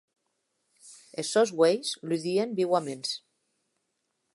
Es sòns uelhs ludien viuaments.